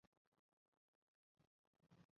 瓦兹省是法国皮卡迪大区所辖的省份。